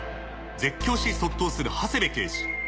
絶叫し卒倒する長谷部刑事。